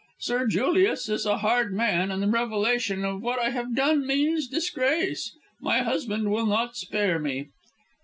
Sir Julius is a hard man, and the revelation of what I have done means disgrace. My husband will not spare me."